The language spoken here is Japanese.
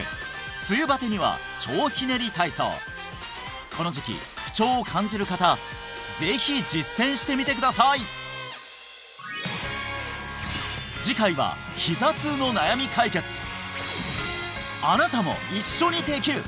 梅雨バテには腸ひねり体操この時期不調を感じる方ぜひ実践してみてください次回は「ひざ痛」の悩み解決あなたも一緒にできる！